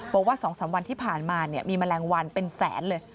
บอกว่า๒๓วันที่ผ่านมามีแมลงวันเป็นแสนเลย